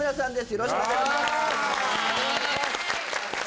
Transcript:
よろしくお願いします